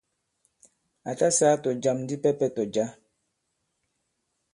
À ta sāā tɔ̀jam dipɛpɛ tɔ̀ jǎ.